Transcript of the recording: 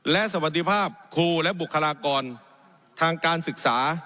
และสวัสดีภาพครูและบุคลากรทางการศึกษา